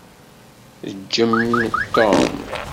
Ǧǧem Tom.